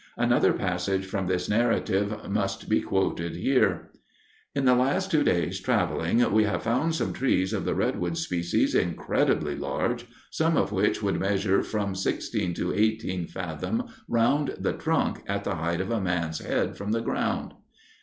Another passage from this narrative must be quoted here: In the last two days travelling we have found some trees of the Redwood species, incredibly large—some of which would measure from 16 to 18 fathom round the trunk at the height of a man's head from the ground.